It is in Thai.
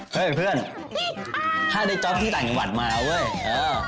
เฮ้ยเพื่อนถ้าได้จ๊อปที่ต่างบันมาแล้วเหอะ